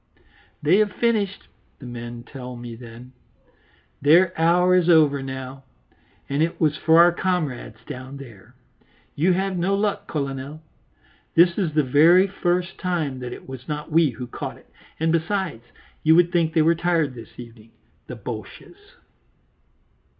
"They have finished," the men tell me then; "their hour is over now, and it was for our comrades down there. You have no luck, Colonel; this is the very first time that it was not we who caught it, and, besides, you would think they were tired this evening, the Boches."